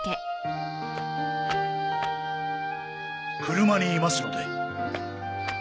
車にいますので。